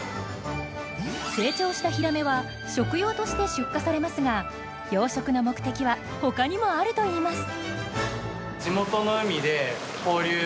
成長したヒラメは食用として出荷されますが養殖の目的はほかにもあるといいます。